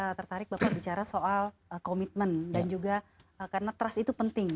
saya tertarik bapak bicara soal komitmen dan juga karena trust itu penting